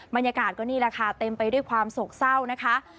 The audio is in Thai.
บรรยากาศก็นี่แหละค่ะเต็มไปด้วยความโศกเศร้านะคะ